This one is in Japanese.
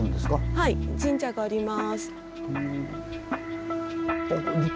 はい神社があります。